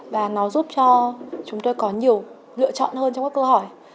và nó giúp cho chúng tôi có nhiều lựa chọn hơn trong các câu hỏi